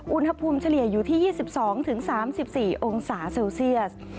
อุณหภูมิเฉลี่ยอยู่ที่๒๒๓๔องศาเซลเซียส